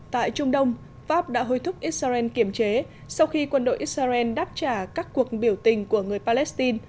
tại trung đông pháp đã hối thúc israel kiểm chế sau khi quân đội israel đáp trả các cuộc biểu tình của người palestine